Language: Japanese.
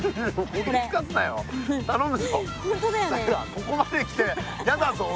ここまで来てやだぞ俺。